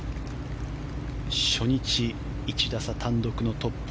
初日、１打差単独のトップ。